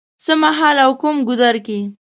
څه مهال او کوم ګودر کې